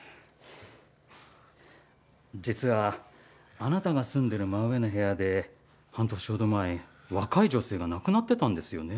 実はあなたが住んでる真上の部屋で半年ほど前若い女性が亡くなってたんですよね。